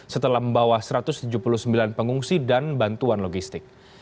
setelah membawa satu ratus tujuh puluh sembilan pengungsi dan bantuan logistik